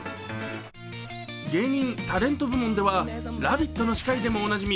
芸人・タレント部門では「ラヴィット！」の司会でもおなじみ